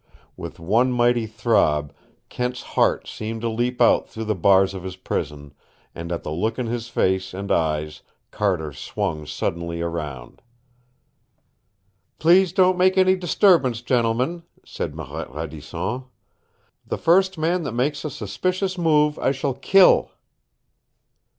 With one mighty throb Kent's heart seemed to leap out through the bars of his prison, and at the look in his face and eyes Carter swung suddenly around. "Please don't make any disturbance, gentlemen," said Marette Radisson. "The first man that makes a suspicious move, I shall kill!"